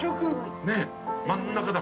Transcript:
真ん中だ。